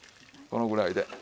このぐらいで。